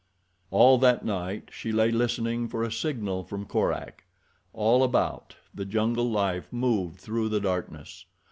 All that night she lay listening for a signal from Korak. All about the jungle life moved through the darkness.